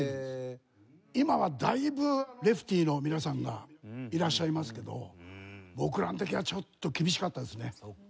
今はだいぶレフティーの皆さんがいらっしゃいますけど僕らの時はちょっと厳しかったですね。